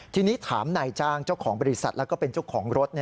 ทีนี้ถามนายจ้างเจ้าของบริษัทแล้วก็เป็นเจ้าของรถ